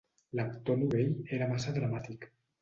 L'actor novell era massa dramàtic.